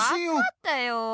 わかったよ！